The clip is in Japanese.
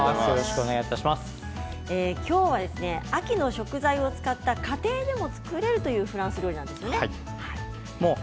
今日は秋の食材を使った家庭でも作れるというフランス料理なんですね。